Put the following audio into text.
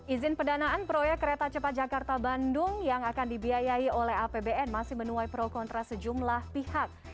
izin pendanaan proyek kereta cepat jakarta bandung yang akan dibiayai oleh apbn masih menuai pro kontra sejumlah pihak